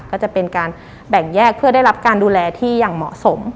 ก็จะเป็นการแบ่งแยกเพื่อได้รับการดูแลที่อย่างเหมาะสม